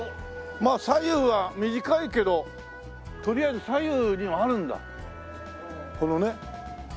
まあ左右は短いけどとりあえず左右にあるんだこのね。